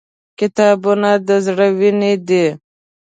• کتابونه د زړه وینې دي.